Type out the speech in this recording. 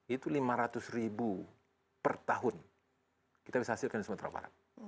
itu lima ratus ribu per tahun kita bisa hasilkan di sumatera barat